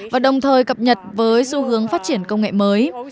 và đồng thời cập nhật với xu hướng phát triển công nghệ mới